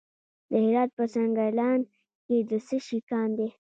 د هرات په سنګلان کې د څه شي کان دی؟